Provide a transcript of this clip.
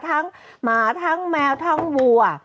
หมาทั้งแมวทั้งวัว